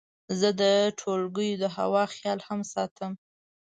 زه د ټولګیو د هوا خیال هم ساتم.